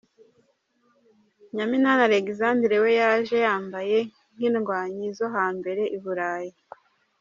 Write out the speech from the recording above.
Nyaminani Alexandre we yaje yambaye nk'indwanyi zo hambere i Burayi.